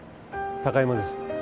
高山です